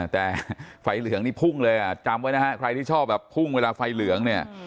แต่ไฟเหลืองนี่พุ่งเลยอ่ะจำไว้นะฮะใครที่ชอบแบบพุ่งเวลาไฟเหลืองเนี่ย